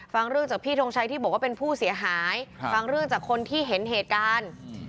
ฟังเรื่องจากพี่ทงชัยที่บอกว่าเป็นผู้เสียหายฟังเรื่องจากคนที่เห็นเหตุการณ์